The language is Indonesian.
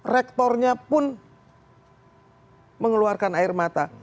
rektornya pun mengeluarkan air mata